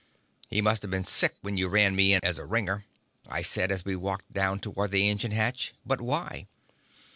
"He must have been sick when you ran me in as a ringer," I said, as we walked down toward the engine hatch. "But why?"